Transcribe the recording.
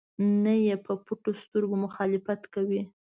نه یې په پټو سترګو مخالفت کوي.